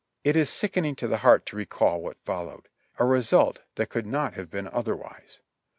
It is sickening to the heart to recall what followed. A result that could not have been otherwise.